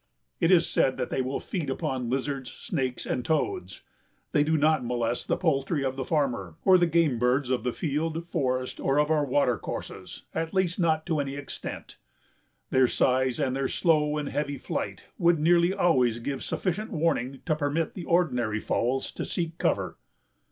It is said that they will feed upon lizards, snakes and toads. They do not molest the poultry of the farmer or the game birds of the field, forest or of our water courses, at least not to any extent. Their size and their slow and heavy flight would nearly always give sufficient warning to permit the ordinary fowls to seek cover.